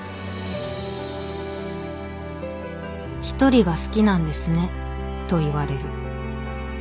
「『一人が好きなんですね』と言われる。